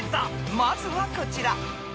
［まずはこちら］